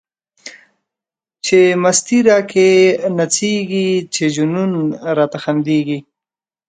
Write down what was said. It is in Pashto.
چی مستی را کی نڅیږی، چی جنون راته خندیږی